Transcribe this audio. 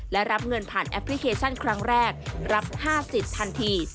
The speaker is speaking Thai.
และรับเงินผ่านแอปพลิเคชันครั้งแรกรับ๕๐ทันที